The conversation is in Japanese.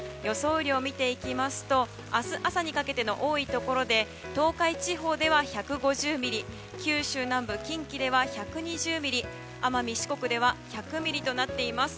雨量を見ていきますと明日朝にかけても多いところで東海地方では１５０ミリ九州南部、近畿では１２０ミリ奄美・四国では１００ミリとなっています。